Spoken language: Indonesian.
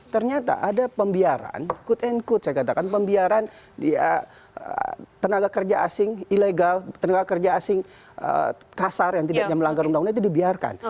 ternyata ada pembiaran quote and quote saya katakan pembiaran tenaga kerja asing ilegal tenaga kerja asing kasar yang tidak melanggar undang undang itu dibiarkan